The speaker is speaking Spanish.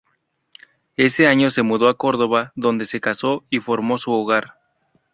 Ese año se mudó a Córdoba, donde se casó y formó su hogar.